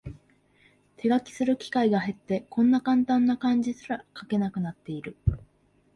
手書きする機会が減って、こんなカンタンな漢字すら書けなくなってる